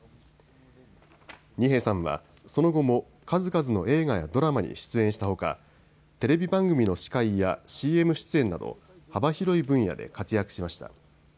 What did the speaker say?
二瓶さんはその後も数々の映画やドラマに出演したほかテレビ番組の司会やＣＭ出演など幅広い分野で活躍しました。